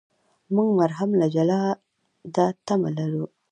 موږ مرهم له جلاده تمه لرو.